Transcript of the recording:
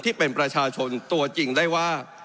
ที่เป็นประชาชนตัวจริงได้ว่า